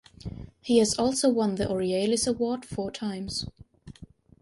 He has also won the Aurealis award four times.